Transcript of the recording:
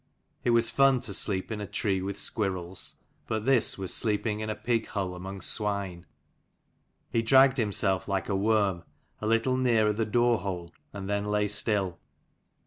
It was fun to sleep in a tree with squirrels, but this was sleeping in a pighull among swine. He dragged himself like a worm, a little nearer the doorhole and then lay still.